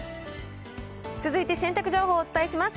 続いて洗濯情報をお伝えします。